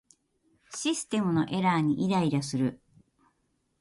システムのエラーにイライラする